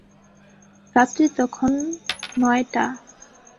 রাত্রি তখন নঞ্চটা।